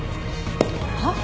はっ？